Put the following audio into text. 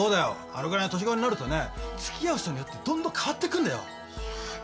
あのぐらいの年ごろになるとね付き合う人によってどんどん変わってくんだよ。